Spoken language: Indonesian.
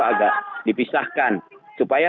agak dipisahkan supaya